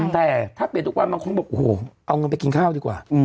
แต่ถ้าเปลี่ยนทุกวันบางคนบอกโอ้โหเอาเงินไปกินข้าวดีกว่า